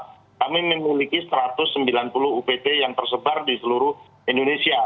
kami memiliki satu ratus sembilan puluh upt yang tersebar di seluruh indonesia